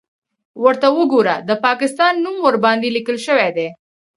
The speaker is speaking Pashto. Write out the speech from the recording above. _ورته وګوره! د پاکستان نوم ورباندې ليکل شوی دی.